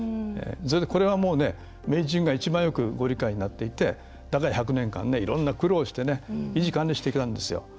これは、明治神宮が一番ご理解になっていて、だから１００年間でいろんな苦労をしていて維持管理しているんですよ。